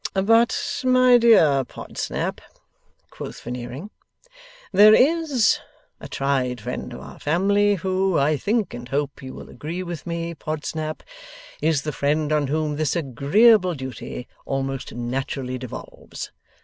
'But, my dear Podsnap,' quoth Veneering, 'there IS a tried friend of our family who, I think and hope you will agree with me, Podsnap, is the friend on whom this agreeable duty almost naturally devolves.